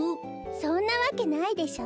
そんなわけないでしょ。